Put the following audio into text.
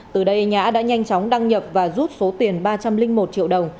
từ đây nhã đã nhanh chóng đăng nhập và rút số tiền ba trăm linh một triệu đồng